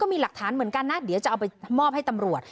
มีหลักฐานเหมือนกันนะเดี๋ยวจะเอาไปมอบให้ตำรวจ